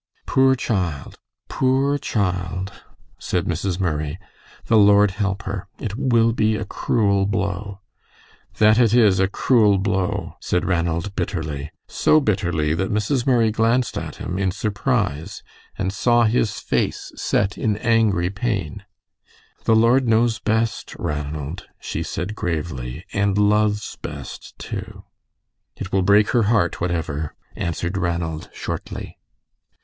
"Poor child, poor child!" said Mrs. Murray; "the Lord help her. It will be a cruel blow." "That it is, a cruel blow," said Ranald, bitterly; so bitterly that Mrs. Murray glanced at him in surprise and saw his face set in angry pain. "The Lord knows best, Ranald," she said, gravely, "and loves best, too." "It will break her heart, whatever," answered Ranald, shortly.